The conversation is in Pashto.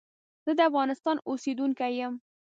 زه دافغانستان اوسیدونکی یم.